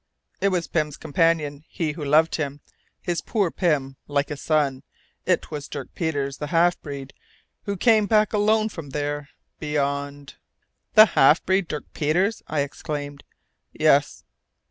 "It was Pym's companion, he who loved him, his poor Pym, like a son. It was Dirk Peters, the half breed, who came back alone from there beyond." "The half breed, Dirk Peters!" I exclaimed. "Yes."